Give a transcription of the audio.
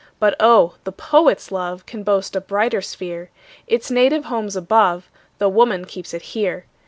But oh! the poet's love Can boast a brighter sphere; Its native home's above, Tho' woman keeps it here.